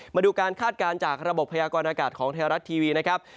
มาดูการคาดการณ์จากระบบพยากรณากาศของไทยรัฐทีวีนะครับ